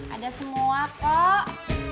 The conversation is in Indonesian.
ada semua kok